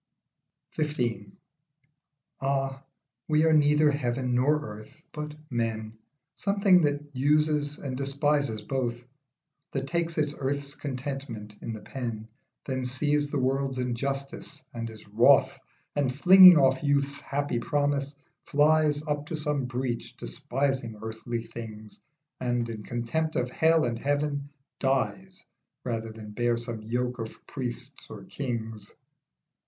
XV. AH, we are neither heaven nor earth, but men ; Something that uses and despises both, That takes its earth's contentment in the pen, Then sees the world's injustice and is wroth, And flinging off youth's happy promise, flies Up to some breach, despising earthly things, And, in contempt of hell and heaven, dies Rather than bear some yoke of priests or kings.